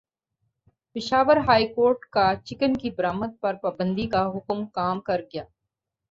Peshawar high court کا chicken کی برآمد پر پابندی کا حکم کام کر گیا